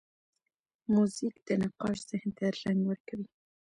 موزیک د نقاش ذهن ته رنګ ورکوي.